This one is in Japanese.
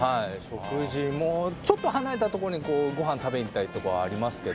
食事もちょっと離れた所にご飯食べに行ったりとかはありますけど。